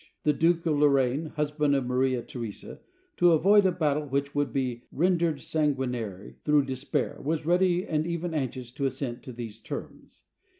The Duke of Lor raine, husband of Maria Theresa, to avoid a battle which would be rendered sanguinary through despair, was ready and even anxious to assent to these terms.